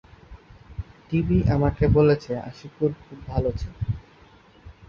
DB আমাকে বলেছে, আশিকুর খুব ভালো ছেলে।